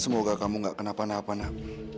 semoga kamu gak kena panah panah